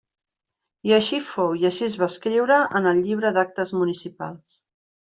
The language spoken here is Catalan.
I així fou i així es va escriure en el llibre d'actes municipals.